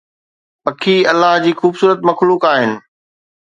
پکي الله جي خوبصورت مخلوق آهن